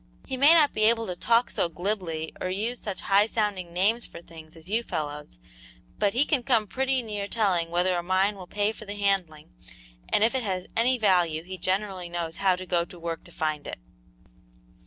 He may not be able to talk so glibly or use such high sounding names for things as you fellows, but he can come pretty near telling whether a mine will pay for the handling, and if it has any value he generally knows how to go to work to find it."